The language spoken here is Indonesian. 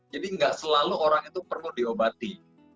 jadi nggak selalu orang itu perlu diobati